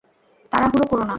তাড়াহুড়ো করো না।